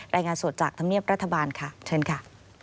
รายงานสดจากธรรมเนียบรัฐบาลค่ะเชิญค่ะ